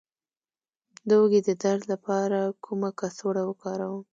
د اوږې د درد لپاره کومه کڅوړه وکاروم؟